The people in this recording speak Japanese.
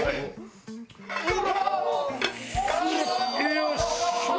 よし！